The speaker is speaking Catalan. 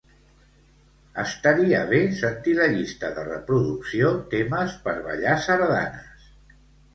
Estaria bé sentir la llista de reproducció "temes per ballar sardanes".